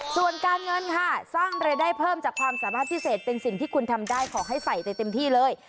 ส่วนการเงินค่ะสร้างรายได้เพิ่มจากความสามารถพิเศษเป็นสิ่งที่คุณทำได้ขอให้ใส่ได้เต็มที่เลย